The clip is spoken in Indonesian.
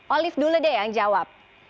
olive dulu deh yang jawab